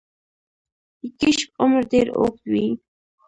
د کیشپ عمر ډیر اوږد وي